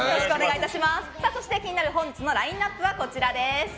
そして気になる本日のラインアップはこちらです。